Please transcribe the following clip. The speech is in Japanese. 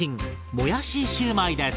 もやしシューマイです！